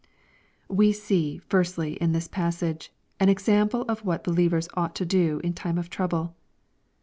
We see, firstly, in this passage, an example of what he lievers ought to do in time of trouble.